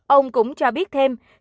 ông cũng cho biết thêm